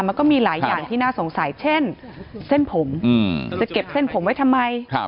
มันก็มีหลายอย่างที่น่าสงสัยเช่นเส้นผมจะเก็บเส้นผมไว้ทำไม